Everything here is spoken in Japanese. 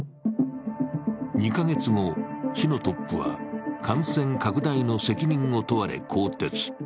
２か月後、市のトップは感染拡大の責任を問われ更迭。